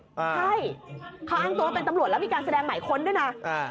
ใช่เขาอ้างตัวว่าเป็นตำรวจแล้วมีการแสดงหมายค้นด้วยนะ